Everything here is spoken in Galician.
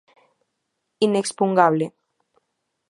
Inexpugnable.